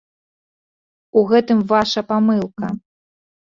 У гэтым ваша памылка.